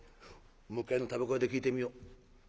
向かいの煙草屋で聞いてみよう。